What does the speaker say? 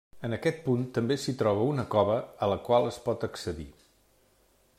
En aquest punt també s'hi troba una cova a la qual es pot accedir.